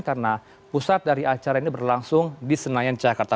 karena pusat dari acara ini berlangsung di senayan jakarta